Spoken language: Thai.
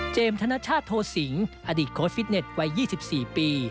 เจมส์ธนชาติโทษิงอดีตโค้ดฟิตเน็ตไว้๒๔ปี